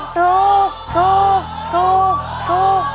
ถูก